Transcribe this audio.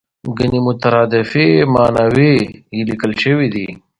ګڼې مترادفې ماناوې یې لیکل شوې دي.